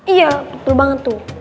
iya betul banget tuh